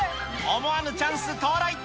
思わぬチャンス到来。